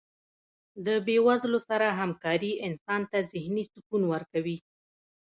د بې وزلو سره هکاري انسان ته ذهني سکون ورکوي.